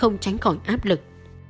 không tránh khỏi áp lực